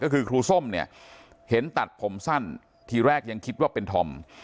ก็คือครูส้มเนี่ยเห็นตัดผมสั้นทีแรกยังคิดว่าเป็นธอม